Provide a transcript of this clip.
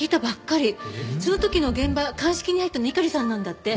その時の現場鑑識に入ったの猪狩さんなんだって。